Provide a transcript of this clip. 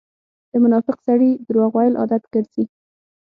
د منافق سړی درواغ وويل عادت ګرځئ.